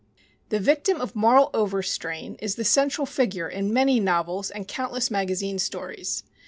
The victim of moral overstrain is the central figure in many novels and countless magazine stories.